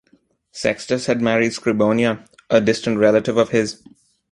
Sextus had married Scribonia, a distant relative of his.